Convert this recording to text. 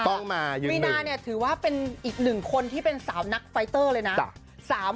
วีนาเนี่ยถือว่าเป็นอีกหนึ่งคนที่เป็นสาวนักไฟเตอร์เลยนะ